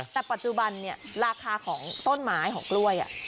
แต่ปัจจุบันเนี่ยราคาของต้นไม้ของกล้วย